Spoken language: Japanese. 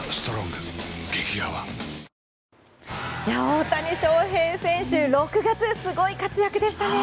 大谷翔平選手６月すごい活躍でしたね。